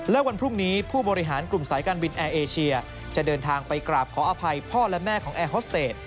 และวันพรุ่งนี้ผู้บริหารกลุ่มสายการบินแอร์เอเชียจะเดินทางไปกราบขออภัยพ่อและแม่ของแอร์ฮอสเตจ